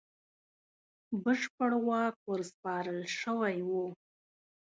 بشپړ واک ورسپارل شوی وو.